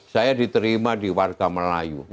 saya diterima di warga melayu